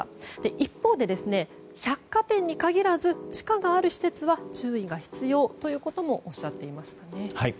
一方で百貨店に限らず地下がある施設は注意が必要ということもおっしゃっていました。